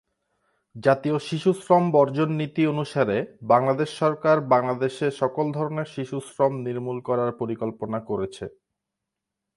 জাতীয় শিশু শ্রম বর্জন নীতি অনুসারে বাংলাদেশ সরকার বাংলাদেশে সকল ধরনের শিশু শ্রম নির্মূল করার পরিকল্পনা করেছে।